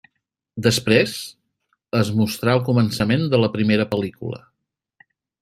Després, es mostra el començament de la primera pel·lícula.